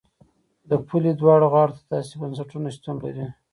د پولې دواړو غاړو ته داسې بنسټونه شتون لري.